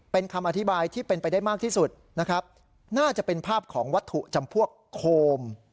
เป็นคำอธิบายที่เป็นไปได้มากที่สุดนะครับน่าจะเป็นภาพของวัตถุจำพวกโคม